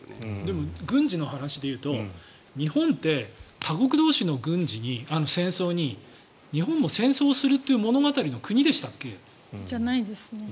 でも軍事で言うと日本って他国同士の軍事に、戦争に日本も戦争するという物語の国でしたっけ？じゃないですね。